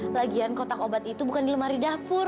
lagian kotak obat itu bukan di lemari dapur